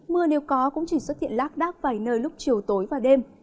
mưa nếu có cũng chỉ xuất hiện lác đác vài nơi lúc chiều tối và đêm